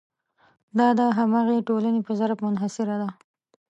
دا د همغې ټولنې په ظرف منحصره ده.